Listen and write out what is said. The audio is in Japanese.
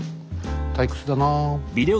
退屈だなあ。